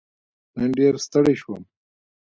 نن ډېر ستړی شوم